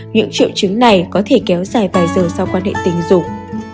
những triệu chứng này có thể kéo dài vài giờ sau quan hệ tình dục